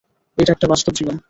একটা বাস্তব জীবন।